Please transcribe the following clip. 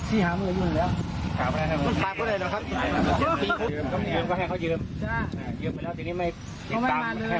อีกเรื่องนี้นะครับอีกเรื่องนี้